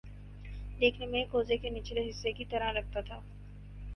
دیکھنے میں کوزے کے نچلے حصے کی طرح لگتا تھا